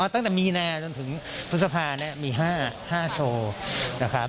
ตั้งแต่มีนาจนถึงพฤษภามี๕โชว์นะครับ